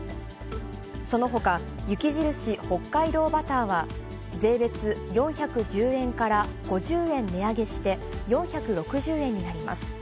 そのほか、雪印北海道バターは、税別４１０円から５０円値上げして、４６０円になります。